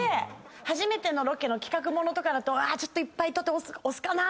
初めてのロケの企画物とかだとちょっといっぱい撮って押すかな？